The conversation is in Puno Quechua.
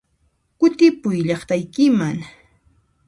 Kutipuy llaqtaykiman!